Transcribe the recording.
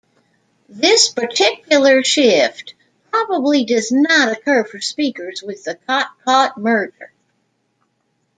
This particular shift probably does not occur for speakers with the cot-caught merger.